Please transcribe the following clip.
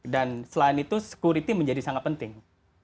dan selain itu security menjadi sangat penting